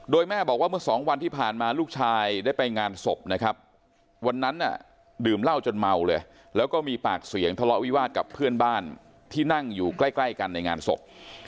โดยแม่บอกว่าเมื่อสองวันที่ผ่านมาลูกชายได้ไปงานศพนะครับวันนั้นดื่มเหล้าจนเมาเลยแล้วก็มีปากเสียงทะเลาะวิวาสกับเพื่อนบ้านที่นั่งอยู่ใกล้กันในงานศพ